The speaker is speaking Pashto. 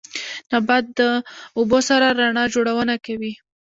نبات د اوبو سره رڼا جوړونه کوي